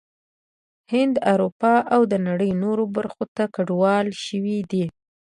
هند، اروپا او د نړۍ نورو برخو ته کډوال شوي دي